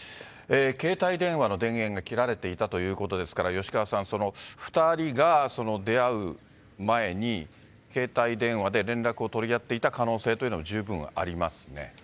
携帯電話の電源が切られていたということですから、吉川さん、２人が出会う前に、携帯電話で連絡を取り合っていた可能性というのは十分ありますね